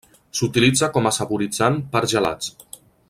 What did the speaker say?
S'utilitza com saboritzant per a gelats.